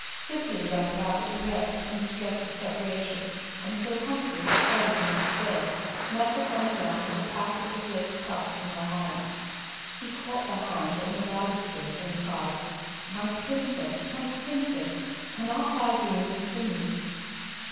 Cicely ran about with the rest in the stress of preparation, until Humfrey, hurrying upstairs, met her coming down with a packet of his lace cuffs in her hands. He caught the hand on the balusters, and cried, "My princess, my princess, and art thou doing this for me?"